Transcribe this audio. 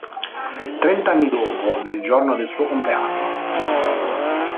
Trent'anni dopo, nel giorno del suo compleanno.